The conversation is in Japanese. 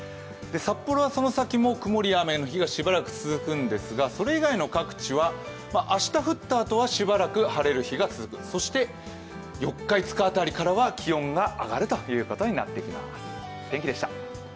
札幌はその先も曇りや雨の日がしばらく続くんですがそれ以外の各地は明日降ったあとはしばらく晴れる日が続く、そして４日、５日辺りからは気温が上がるということになります。